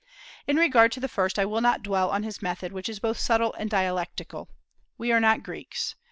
In regard to the first, I will not dwell on his method, which is both subtle and dialectical. We are not Greeks.